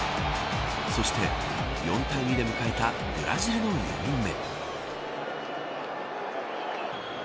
そして、４対２で迎えたブラジルの４人目。